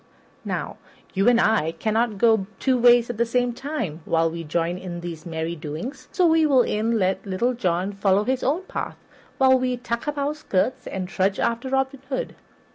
Now, you and I cannot go two ways at the same time while we join in these merry doings; so we will e'en let Little John follow his own path while we tuck up our skirts and trudge after Robin Hood.